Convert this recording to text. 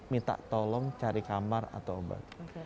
minta tolong cari kamar atau obat